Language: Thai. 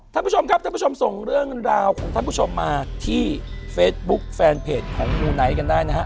ท่านผู้ชมครับท่านผู้ชมส่งเรื่องราวของท่านผู้ชมมาที่เฟซบุ๊คแฟนเพจของมูไนท์กันได้นะฮะ